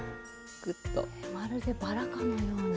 まるでバラかのように。